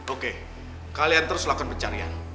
oke kalian terus lakukan pencarian